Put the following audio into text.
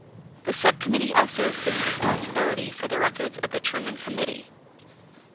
The subcommittee also assumed responsibility for the records of the Truman Committee.